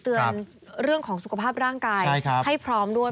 เรื่องของสุขภาพร่างกายให้พร้อมด้วย